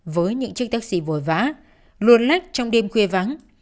với những chiếc taxi vội vã luôn lách trong đêm khuya vắng